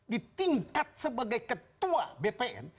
di tingkat sebagai ketua bpn